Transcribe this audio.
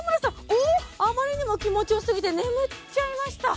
おおあまりにも気持ちよすぎて眠っちゃいました